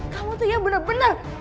kamu tuh ya bener bener